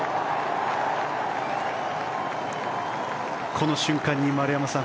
この瞬間、丸山さん